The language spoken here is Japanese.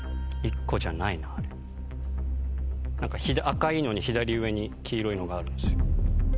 赤いのに左上に黄色いのがあるんですよ。